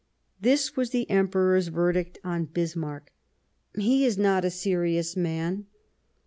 This was the Emperor's verdict on Bismarck : 55 Bismarck " He is not a serious man."